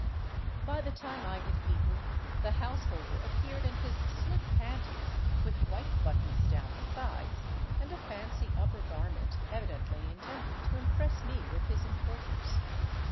By the time I had eaten, the householder appeared in his slit panties with white buttons down the sides, and a fancy upper garment evi dently intended to impress me with his importance.